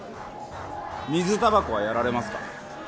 水タバコはやられますか？